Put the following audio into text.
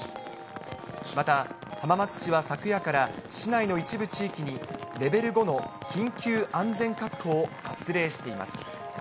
また、浜松市は昨夜から市内の一部地域にレベル５の緊急安全確保を発令しています。